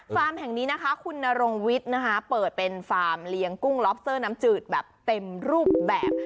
แห่งนี้นะคะคุณนรงวิทย์นะคะเปิดเป็นฟาร์มเลี้ยงกุ้งล็อบเซอร์น้ำจืดแบบเต็มรูปแบบ